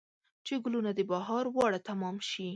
چې ګلونه د بهار واړه تمام شي